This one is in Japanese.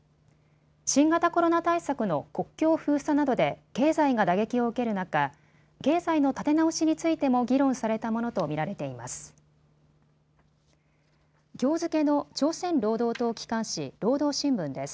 新型コロナ対策の国境封鎖などで経済が打撃を受ける中、経済の立て直しについても議論されたものと見られています。